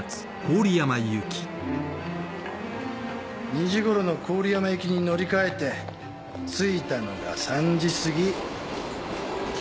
２時ごろの郡山行きに乗り換えて着いたのが３時過ぎ。